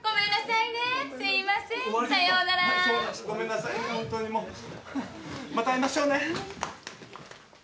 また会いましょうね。